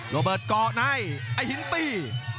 โรเบิร์ตเกาะในไอ้หินตี